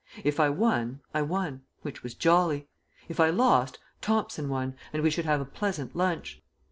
If I won, I won which was jolly; if I lost, Thomson won and we should have a pleasant lunch.